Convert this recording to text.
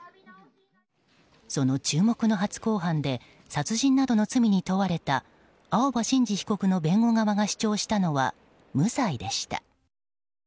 その注目の初公判で殺人などの罪に問われた青葉真司被告の弁護側が主張したのは無罪でした。